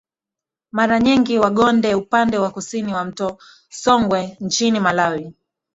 Mara nyingi Wagonde upande wa kusini ya mto Songwe nchini Malawi